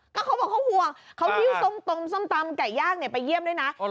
ก็เขาบอกเขาห่วงเขาหิ้วส้มตำส้มตำไก่ย่างไปเยี่ยมด้วยนะ